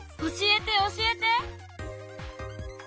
教えて教えて！